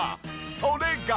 それが。